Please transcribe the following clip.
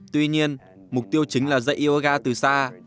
tuy nhiên mục tiêu chính là dạy yoga từ xa